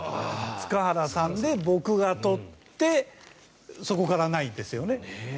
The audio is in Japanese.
塚原さんで、僕が取ってそこからないんです。